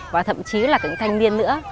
và thậm chí là cả những thanh niên nữa